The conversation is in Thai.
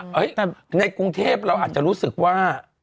ในกรุงเทพเราอาจจะรู้สึกว่า